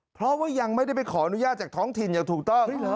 เพราะว่ายังไม่ได้ไปขออนุญาตจากท้องถิ่นอย่างถูกต้อง